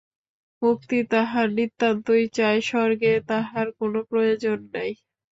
মুক্তি তাঁহার নিতান্তই চাই, স্বর্গে তাঁহার কোনো প্রয়োজন নাই।